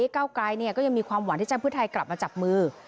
เก้าไกรก็ยังมีความหวังที่จะเพื่อไทยกลับมาจับมือ